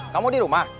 kamu di rumah